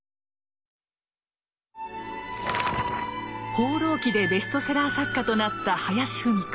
「放浪記」でベストセラー作家となった林芙美子。